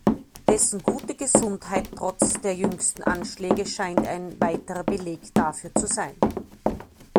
Dessen gute Gesundheit trotz der jüngsten Anschläge scheint eine weiterer Beleg dafür zu sein.